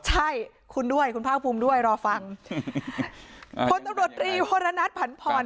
ใช่คุณด้วยคุณภาคภูมิด้วยรอฟังคนตำลดรีโฮละนัดผันผ่อน